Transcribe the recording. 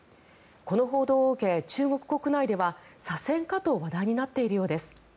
この報道を受け中国国内では左遷かと話題になっているようです。